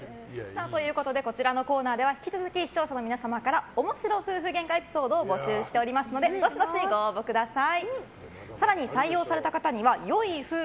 こちらのコーナーでは引き続き視聴者の皆様から面白夫婦げんかエピソードを募集しておりますのでどしどしご応募ください。